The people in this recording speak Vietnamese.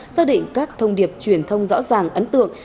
xác định các thông điệp truyền thông rõ ràng ấn tượng